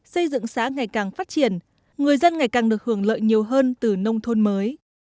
xây dựng xã ngày càng phát triển người dân ngày càng được hưởng lợi nhiều hơn từ nông thôn mới